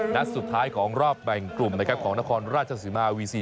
นัดสุดท้ายของรอบบังกลุ่มของนครรางศสิมาวีซี่